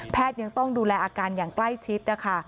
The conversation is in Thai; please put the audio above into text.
แพทย์ยังต้องดูแลอาการทรรป์อย่างใกล้ชิดนะคะ